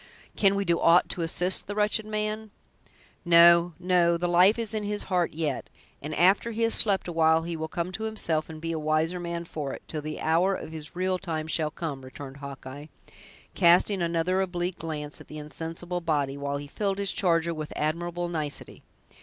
"Can we do aught to assist the wretched man?" "No, no! the life is in his heart yet, and after he has slept awhile he will come to himself, and be a wiser man for it, till the hour of his real time shall come," returned Hawkeye, casting another oblique glance at the insensible body, while he filled his charger with admirable nicety.